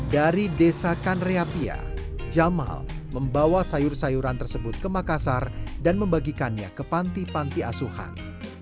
dari desa kanreapia jamal membawa sayur sayuran tersebut ke makassar dan membagikannya ke panti panti asuhan